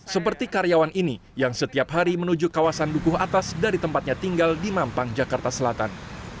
seperti karyawan ini yang setiap hari menuju kawasan dukuh atas dari tempatnya tinggal di mampang jakarta selatan